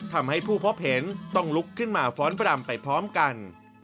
ทำให้ผู้พบเห็นต้องลุกขึ้นมาฟ้อนปรำไปพร้อมกัน